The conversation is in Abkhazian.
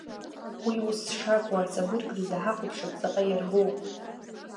Уи ус шакәу арҵабыргразы ҳахәаԥшып ҵаҟа иарбоу.